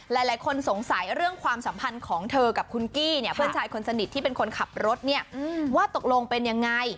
หลายคนสงสัยเรื่องความสัมพันธ์ของเธอกับคุณกี้เนี่ยเพื่อนชายคนสนิทที่เป็นคนขับรถเนี่ยว่าตกลงเป็นยังไง